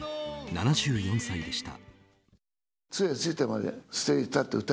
７４歳でした。